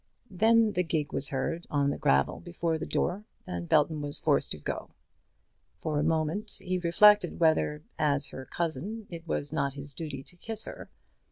Then the gig was heard on the gravel before the door, and Belton was forced to go. For a moment he reflected whether, as her cousin, it was not his duty to kiss her.